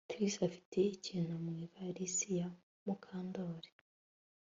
Trix afite ikintu mu ivarisi ya Mukandoli